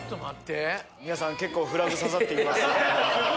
皆さん結構フラグ刺さっていますね